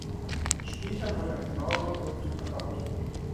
Später wurde ein gemauerter Burgturm erbaut.